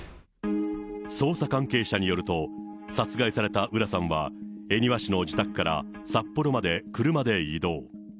捜査関係者によると、殺害された浦さんは、恵庭市の自宅から札幌まで車で移動。